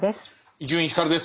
伊集院光です。